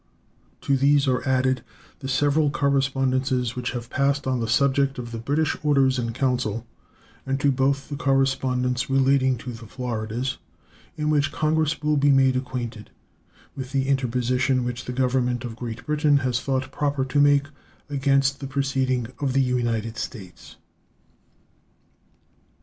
To these are added the several correspondences which have passed on the subject of the British orders in council, and to both the correspondence relating to the Floridas, in which Congress will be made acquainted with the interposition which the Government of Great Britain has thought proper to make against the proceeding of the United States.